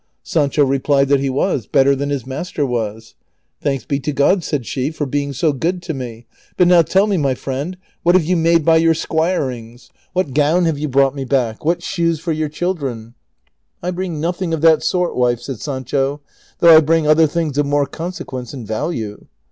Sancho re plied that he was, better than his master was. '' Thanks be to God," said she, " for being so good to me ; but now tell me, my frieud, what have you made by your squirings ? CHAPTER HI. 439 What gown have you brought me back ? AVliat shoes for your chilclreu ?"" I bring nothing of that sort, wife," said Sancho ;" though I bring other things of more consequence and value."